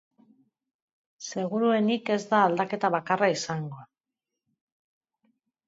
Seguruenik ez da aldaketa bakarra izango.